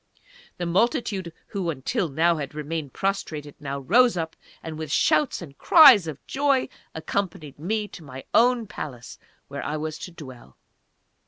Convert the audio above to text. The multitude, who until now had remained prostrated, now rose up, and with shouts and cries of joy, accompanied me to my own palace, where I was to dwell.